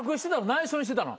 内緒にしてたの？